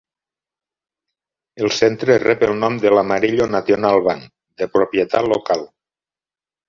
El centre rep el nom de l'Amarillo National Bank, de propietat local.